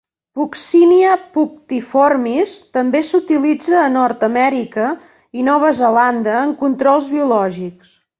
"Puccinia punctiformis" també s'utilitza a Nord Amèrica i Nova Zelanda en controls biològics.